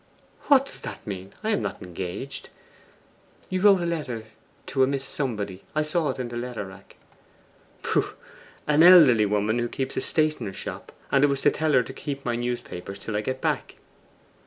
'What does that mean? I am not engaged.' 'You wrote a letter to a Miss Somebody; I saw it in the letter rack.' 'Pooh! an elderly woman who keeps a stationer's shop; and it was to tell her to keep my newspapers till I get back.